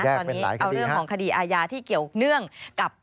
ตอนนี้เอาเรื่องของคดีอาญาที่เกี่ยวเนื่องกับ